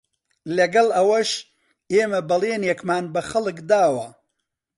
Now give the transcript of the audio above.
لەگەڵ ئەوەش ئێمە بەڵێنێکمان بە خەڵک داوە